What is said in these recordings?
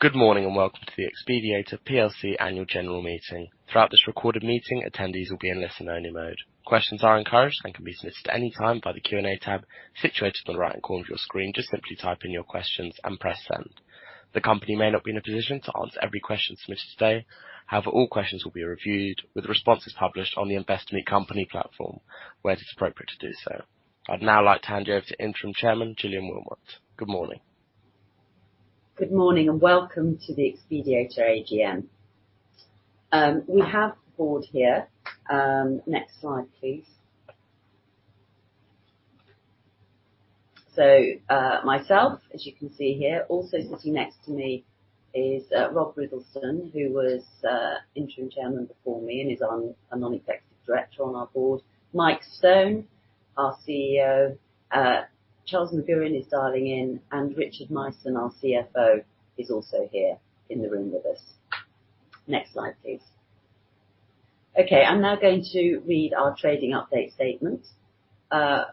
Good morning, and welcome to the Xpediator Plc annual general meeting. Throughout this recorded meeting, attendees will be in listen only mode. Questions are encouraged and can be submitted at any time via the Q&A tab situated on the right corner of your screen. Just simply type in your questions and press send. The company may not be in a position to answer every question submitted today. However, all questions will be reviewed with the responses published on the Investor Meet Company platform, where it's appropriate to do so. I'd now like to hand you over to Interim Chair, Gillian Wilmot. Good morning. Good morning and welcome to the Xpediator AGM. We have the board here. Next slide, please. Myself, as you can see here, also sitting next to me is, Rob Riddleston, who was, interim chairman before me and is a Non-Executive Director on our board. Mike Stone, our CEO. Charles McGurin is dialing in, and Richard Myson, our CFO, is also here in the room with us. Next slide, please. Okay, I'm now going to read our trading update statement,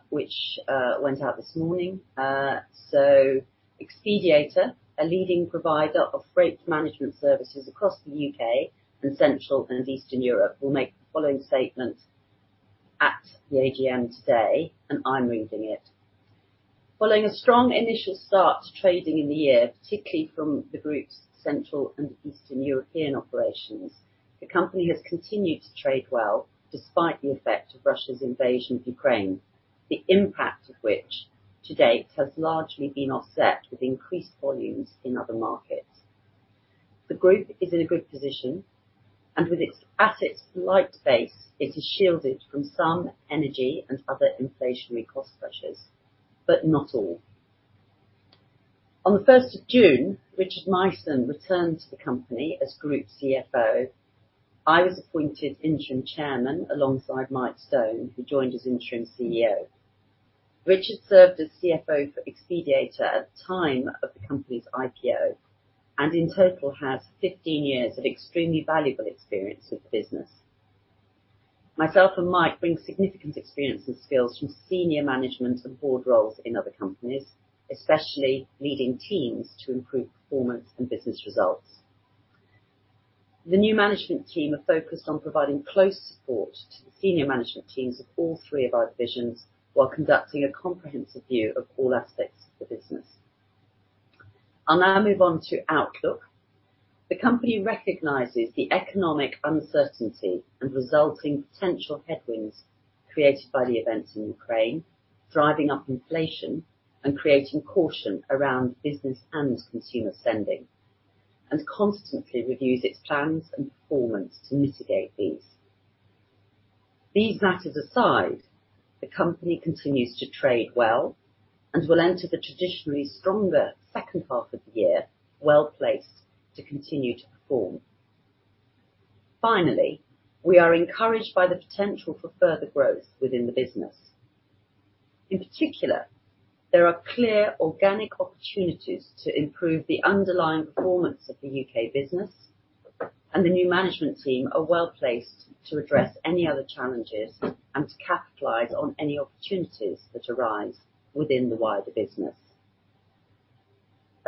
which went out this morning. Xpediator, a leading provider of freight management services across the UK and Central and Eastern Europe, will make the following statement at the AGM today, and I'm reading it. Following a strong initial start to trading in the year, particularly from the Group's Central and Eastern European operations, the company has continued to trade well despite the effect of Russia's invasion of Ukraine, the impact of which to date has largely been offset with increased volumes in other markets. The Group is in a good position, and with its asset-light space, it is shielded from some energy and other inflationary cost pressures, but not all. On the 1st of June, Richard Myson returned to the company as Group CFO. I was appointed Interim Chairman alongside Mike Stone, who joined as Interim CEO. Richard served as CFO for Xpediator at the time of the company's IPO, and in total has 15 years of extremely valuable experience with the business. Myself and Mike bring significant experience and skills from senior management and board roles in other companies, especially leading teams to improve performance and business results. The new management team are focused on providing close support to the senior management teams of all three of our divisions while conducting a comprehensive view of all aspects of the business. I'll now move on to outlook. The company recognizes the economic uncertainty and resulting potential headwinds created by the events in Ukraine, driving up inflation and creating caution around business and consumer spending, and constantly reviews its plans and performance to mitigate these. These matters aside, the company continues to trade well and will enter the traditionally stronger second half of the year, well-placed to continue to perform. Finally, we are encouraged by the potential for further growth within the business. In particular, there are clear organic opportunities to improve the underlying performance of the UK business, and the new management team are well-placed to address any other challenges and to capitalize on any opportunities that arise within the wider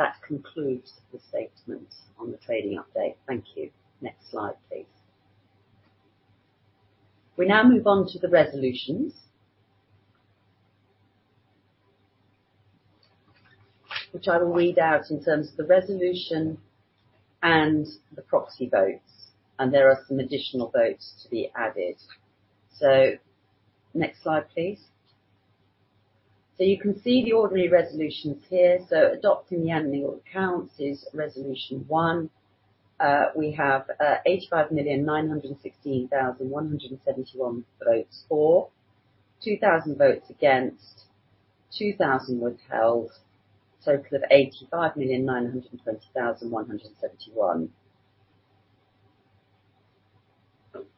business. That concludes the statement on the trading update. Thank you. Next slide, please. We now move on to the resolutions which I will read out in terms of the resolution and the proxy votes, and there are some additional votes to be added. Next slide, please. You can see the ordinary resolutions here. Adopting the annual accounts is resolution one. We have 85,916,171 votes for, 2,000 votes against, 2,000 withheld. Total of 85,920,171.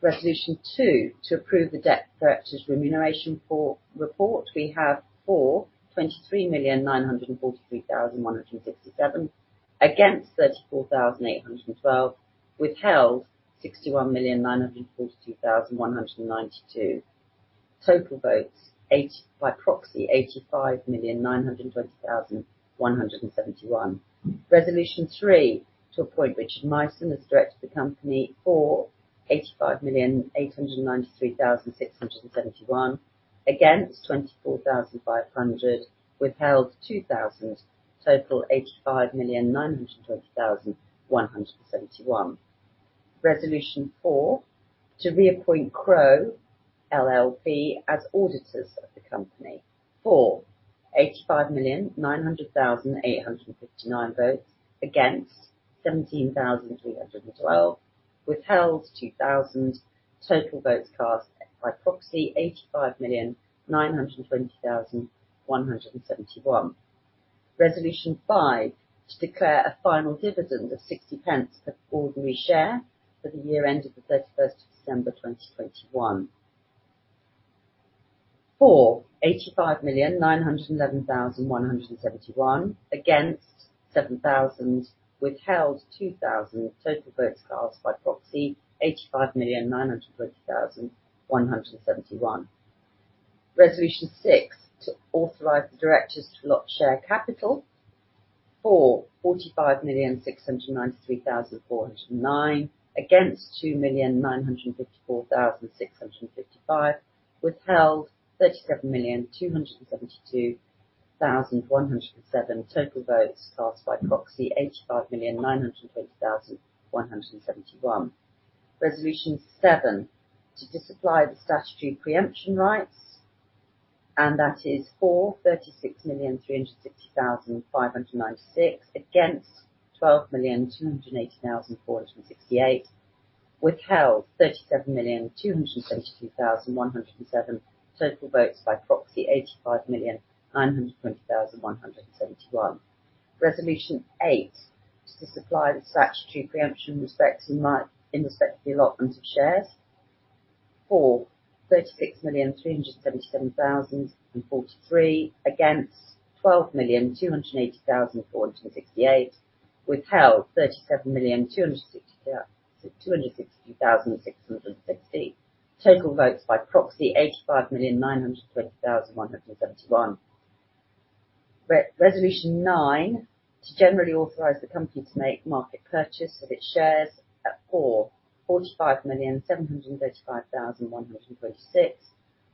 Resolution 2, to approve the directors' remuneration report. We have for, 23,943,167. Against, 34,812. Withheld, 61,942,192. Total votes by proxy, 85,920,171. Resolution 3, to appoint Richard Myson as director of the company. For, 85,893,671. Against, 24,500. Withheld, 2,000. Total, 85,920,171. Resolution 4, to reappoint Crowe LLP as auditors of the company. For, 85,900,859 votes. Against, 17,312. Withheld, 2,000. Total votes cast by proxy, 85,920,171. Resolution 5, to declare a final dividend of 0.60 per ordinary share for the year ended the 31st of December, 2021. For, 85,911,171. Against, 7,000. Withheld, 2,000. Total votes cast by proxy, 85,920,171. Resolution 6, to authorize the directors to allot share capital. For 45,693,409, against 2,954,665, withheld 37,272,107. Total votes cast by proxy, 85,920,171. Resolution 7, to disapply the statutory preemption rights, and that is for 36,360,596, against 12,280,468, withheld 37,272,107. Total votes by proxy, 85,920,171. Resolution eight, to disapply the statutory preemption rights in respect to the allotment of shares. For 36,377,043, against 12,280,468, withheld 37,262,660. Total votes by proxy, 85,920,171. Resolution nine, to generally authorize the company to make market purchases of its shares. For 45,735,126,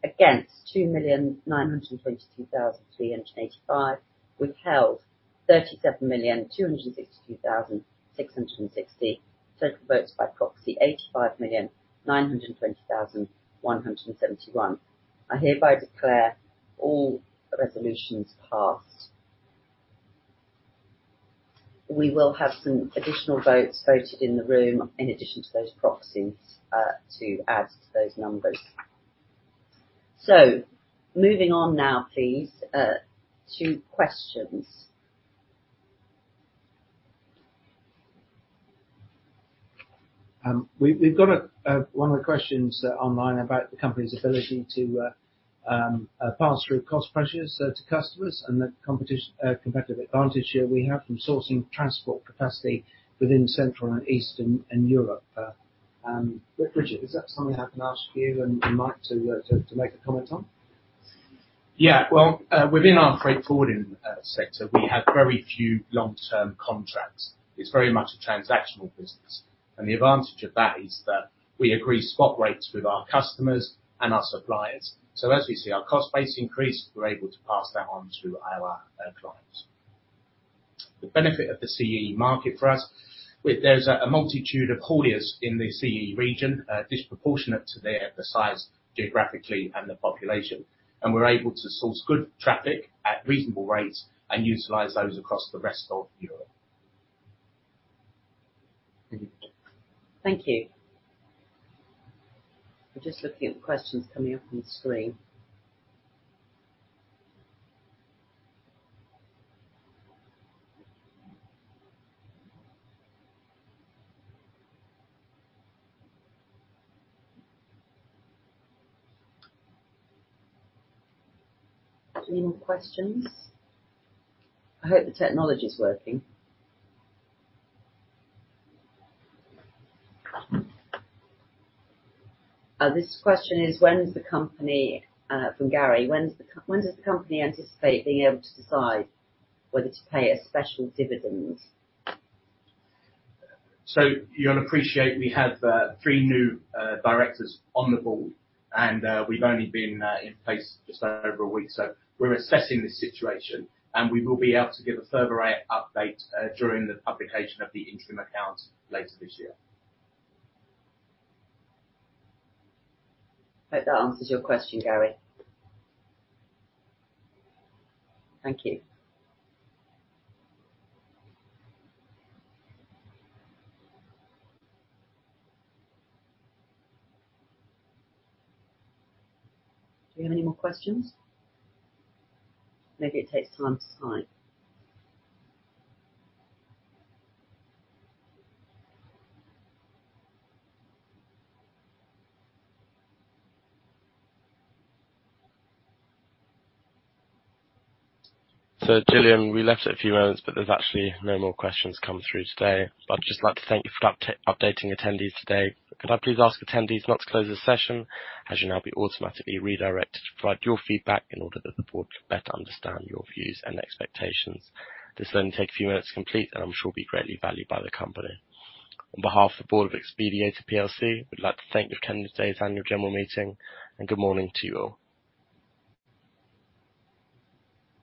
against 2,922,385, withheld 37,262,660. Total votes by proxy, 85,920,171. I hereby declare all resolutions passed. We will have some additional votes voted in the room in addition to those proxies, to add to those numbers. Moving on now, please, to questions. We've got one of the questions online about the company's ability to pass through cost pressures to customers and the competitive advantage here we have from sourcing transport capacity within Central and Eastern Europe. Richard, is that something I can ask you and Mike to make a comment on? Yeah. Well, within our freight forwarding sector, we have very few long-term contracts. It's very much a transactional business, and the advantage of that is that we agree spot rates with our customers and our suppliers. As we see our cost base increase, we're able to pass that on to our clients. The benefit of the CEE market for us, there's a multitude of haulers in the CEE region, disproportionate to their size geographically and the population, and we're able to source good traffic at reasonable rates and utilize those across the rest of Europe. Thank you. Thank you. I'm just looking at the questions coming up on the screen. Any more questions? I hope the technology's working. This question is from Gary. When does the company anticipate being able to decide whether to pay a special dividend? You're gonna appreciate we have three new directors on the board and we've only been in place just over a week, so we're assessing the situation and we will be able to give a further update during the publication of the interim account later this year. Hope that answers your question, Gary. Thank you. Do we have any more questions? Maybe it takes time to sign. Gillian, we left it a few moments, but there's actually no more questions come through today. I'd just like to thank you for updating attendees today. Could I please ask attendees not to close this session, as you'll now be automatically redirected to provide your feedback in order that the board can better understand your views and expectations. This will only take a few minutes to complete and I'm sure will be greatly valued by the company. On behalf of the board of Xpediator Plc, we'd like to thank you for attending today's annual general meeting, and good morning to you all.